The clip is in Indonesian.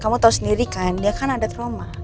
kamu tahu sendiri kan dia kan ada trauma